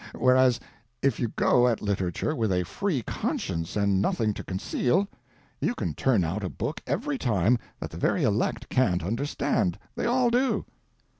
Whereas, if you go at literature with a free conscience and nothing to conceal, you can turn out a book, every time, that the very elect can't understand. They all do."